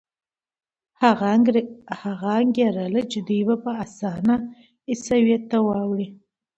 هغه انګېرله چې دوی به په اسانه عیسایت ته واوړي.